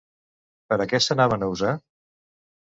Per a què s'anaven a usar?